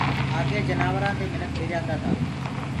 آگي جآنورآن دي منک ڏردآ تآ